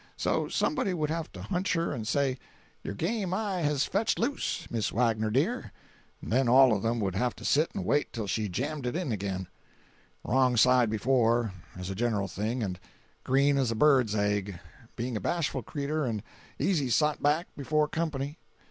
So somebody would have to hunch her and say, "Your game eye has fetched loose. Miss Wagner dear"—and then all of them would have to sit and wait till she jammed it in again—wrong side before, as a general thing, and green as a bird's egg, being a bashful cretur and easy sot back before company.